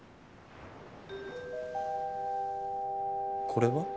これは？